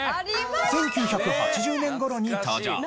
１９８０年頃に登場。